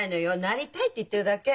「なりたい」って言ってるだけ。